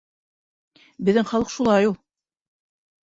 Беҙҙең халыҡ шулай ул.